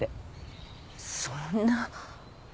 そんな。